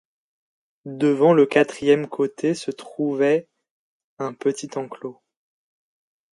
Devant le quatrième côté se trouvait un petit enclos.